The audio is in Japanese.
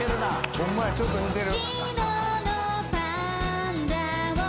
ホンマやちょっと似てる。